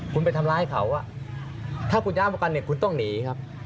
คุณไปทำร้ายเขาถ้าคุณอ้างป้องกันคุณต้องหนีครับ